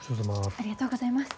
ありがとうございます。